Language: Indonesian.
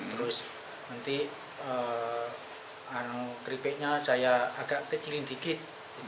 terus nanti keripiknya saya agak kecilin dikit